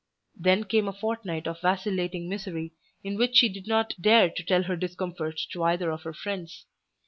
Then came a fortnight of vacillating misery, in which she did not dare to tell her discomfort to either of her friends.